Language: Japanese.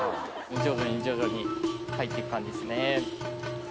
徐々に徐々に入っていく感じですね。